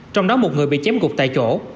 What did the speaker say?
trong đó một người bị chém gục tại chỗ